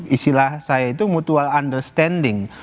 istilah saya itu mutual understanding